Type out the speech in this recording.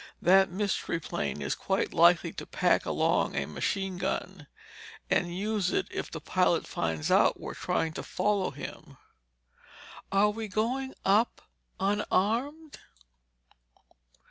That Mystery Plane is quite likely to pack along a machine gun—and use it if the pilot finds out we're trying to follow him." "Are we going up unarmed?"